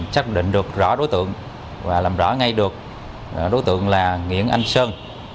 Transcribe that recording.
xác định được rõ đối tượng và làm rõ ngay được đối tượng là nguyễn anh sơn